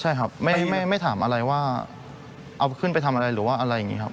ใช่ครับไม่ถามอะไรว่าเอาขึ้นไปทำอะไรหรือว่าอะไรอย่างนี้ครับ